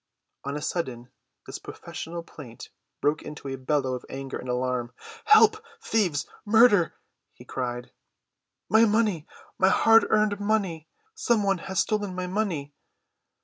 On a sudden this professional plaint broke into a bellow of anger and alarm. "Help! Thieves! Murder!" he cried. "My money—my hard‐earned money! Some one has stolen my money!"